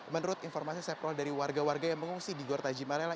menurut informasi seprol dari warga warga yang mengungsi di gor tajimalela